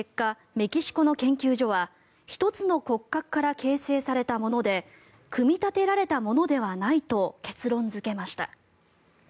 メキシコの研究所は１つの骨格から形成されたもので組み立てられたものではないと結論付けました。